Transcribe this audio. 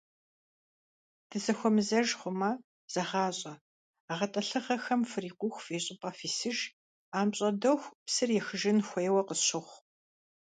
Дызэхуэмызэж хъумэ, зэгъащӀэ: гъэтӀылъыгъэхэм фрикъуху фи щӏыпӏэ фисыж, апщӀондэху псыр ехыжын хуейуэ къысщохъу.